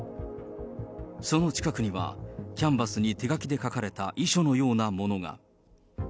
その近くには、キャンバスに手書きで書かれた遺書のようなものが。